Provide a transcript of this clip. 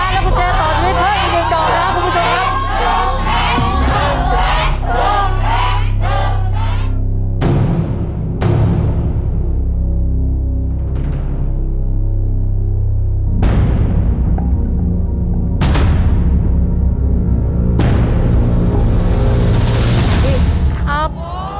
แล้วก็จะต่อชีวิตเพิ่มอีก๑ดอกนะครับคุณผู้ชมครับ